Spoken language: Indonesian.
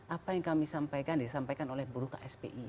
apa yang kami sampaikan disampaikan oleh buruh kspi